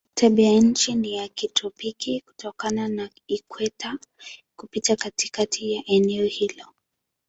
Tabianchi ni ya kitropiki kutokana na ikweta kupita katikati ya eneo hilo.